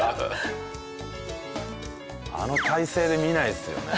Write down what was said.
あの体勢で見ないですよね